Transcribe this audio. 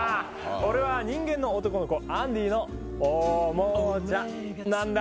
俺は人間の男の子アンディのおもちゃなんだ。